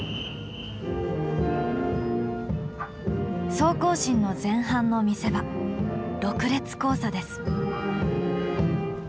総行進の前半の見せ場６列交差です。